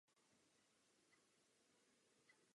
Vysvětlení původu jména se velmi liší.